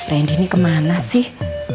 randy ini kemana sih